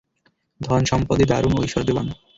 ধনসম্পদে দারুণ ঐশ্বর্যবান।